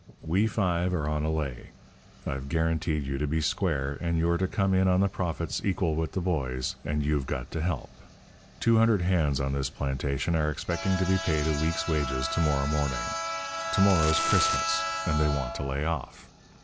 We five are on a lay. I've guaranteed you to be square, and you're to come in on the profits equal with the boys, and you've got to help. Two hundred hands on this plantation are expecting to be paid a week's wages to morrow morning. To morrow's Christmas, and they want to lay off.